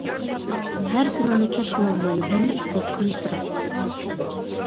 ھەر كۈنۈڭنى كەچ قىلالماي لالما ئىتتەك قانسىراپ.